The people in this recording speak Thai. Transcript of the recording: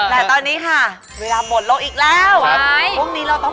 และตอนนี้ค่ะเวลาหมดแล้วอีกแล้ว